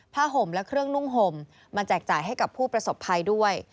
ห่มและเครื่องนุ่งห่มมาแจกจ่ายให้กับผู้ประสบภัยด้วย